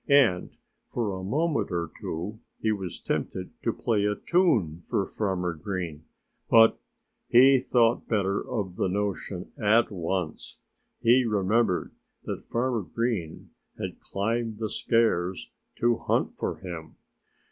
And for a moment or two he was tempted to play a tune for Farmer Green. But he thought better of the notion at once. He remembered that Farmer Green had climbed the stairs to hunt for him.